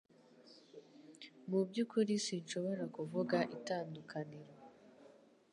Mu byukuri sinshobora kuvuga itandukaniro